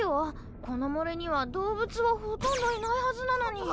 この森には動物はほとんどいないはずなのに。